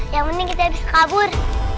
yang penting kita bisa kabur